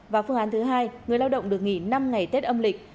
và phương án thứ hai người lao động được nghỉ năm ngày tết âm lịch